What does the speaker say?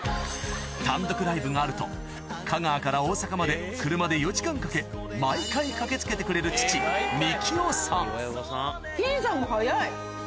単独ライブがあると香川から大阪まで車で４時間かけ毎回駆け付けてくれる父幹夫さんきんさんも早い。